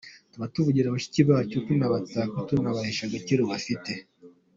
Tuba tuvugira bashiki bacu tunabataka, tunabahesha agaciro bafite.